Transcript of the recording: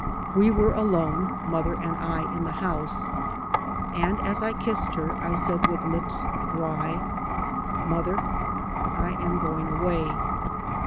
We were alone, mother and I, in the house. And as I kissed her I said with lips dry, " Mother, I am going away.